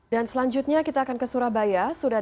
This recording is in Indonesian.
dan selanjutnya kita akan ke surabaya